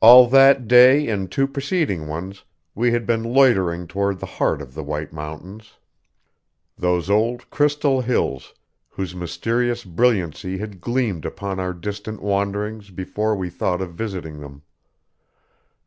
All that day and two preceding ones we had been loitering towards the heart of the White Mountains those old crystal hills, whose mysterious brilliancy had gleamed upon our distant wanderings before we thought of visiting them.